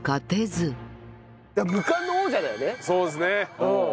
そうですね。